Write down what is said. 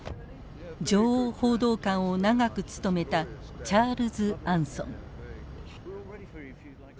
女王報道官を長く務めたチャールズ・アンソン。